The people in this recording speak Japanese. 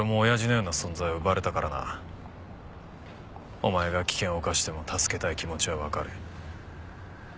お前が危険を冒しても助けたい気持ちはわかる。